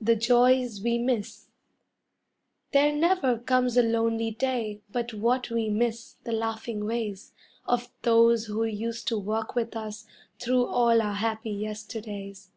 THE JOYS WE MISS There never comes a lonely day but what we miss the laughing ways Of those who used to walk with us through all our happy yesterdays.